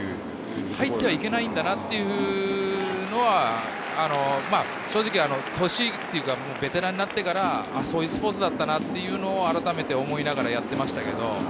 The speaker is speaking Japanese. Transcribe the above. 入ってはいけないんだなというのは、ベテランになってから、そういうスポーツだったなというのはあらためて思いながらやっていました。